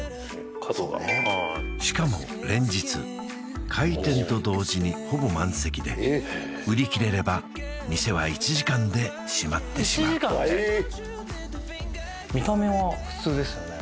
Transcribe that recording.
角がしかも連日開店と同時にほぼ満席で売り切れれば店は１時間で閉まってしまうねえうん違い分かるかなあねえ